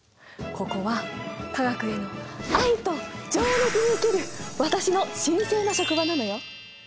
ここは化学への愛と情熱に生きる私の神聖な職場なのよ！